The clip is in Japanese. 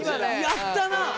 やったな！